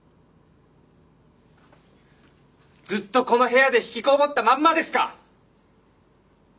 ずっとこの部屋でひきこもったまんまですか！？